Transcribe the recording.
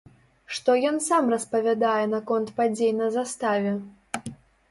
Што ён сам распавядае наконт падзей на заставе?